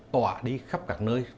tọa đi khắp các nơi